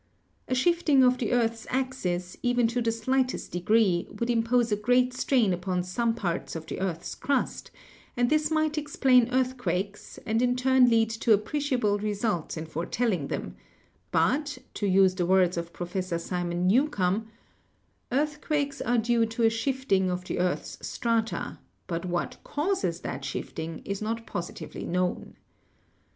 A* shifting of the earth's axis, even to the slightest de gree, would impose a great strain upon some parts of the earth's crusts, and this might explain earthquakes and in turn lead to appreciable results in foretelling them, but, to use the words of Professor Simon Newcomb, "earth quakes are due to a shifting of the earth's strata, but what causes thafr shifting is not positively known."